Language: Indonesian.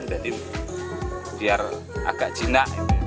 jadi biar agak jina